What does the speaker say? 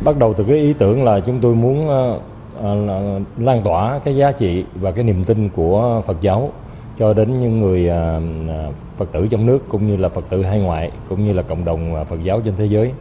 bắt đầu từ ý tưởng là chúng tôi muốn lan tỏa giá trị và niềm tin của phật giáo cho đến những người phật tử trong nước phật tử hai ngoại cộng đồng phật giáo trên thế giới